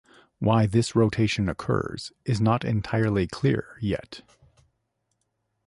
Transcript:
Why this rotation occurs is not entirely clear yet.